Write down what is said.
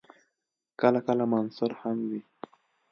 کله کله منثور هم وي.